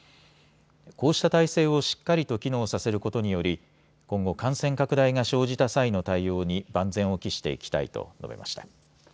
こうした体制をしっかりと機能させることにより今後、感染拡大が生じた際の対応に万全を期していきたいと述べました。